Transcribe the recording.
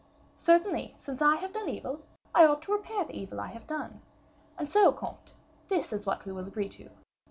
"Certainly; since I have done evil, I ought to repair the evil I have done. And so, comte, this is what we will agree to.